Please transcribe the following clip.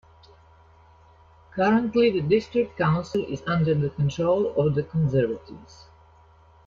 Currently the District Council is under the control of the Conservatives.